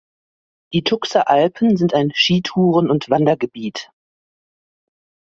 Die Tuxer Alpen sind ein Skitouren- und Wandergebiet.